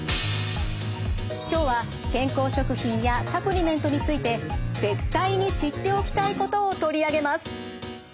今日は健康食品やサプリメントについて絶対に知っておきたいことを取り上げます。